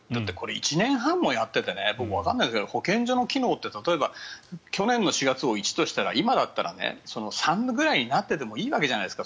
１年半もやっていて保健所の機能って去年の４月を１としたら今だったら３ぐらいになっていてもいいわけじゃないですか。